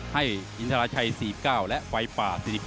ให้อินทราชัย๔๙และไฟป่า๑๗